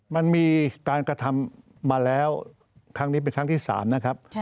มันมีการกระทำมาแล้วครั้งนี้เป็นครั้งที่๓นะครับ